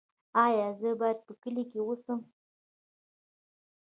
ایا زه باید په کلي کې اوسم؟